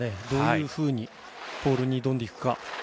どういうふうにポールに挑んでいくか。